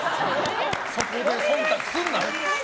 そこで忖度するな！